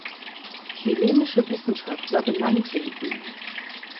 Chilenische Wissenschaftler benannten sie.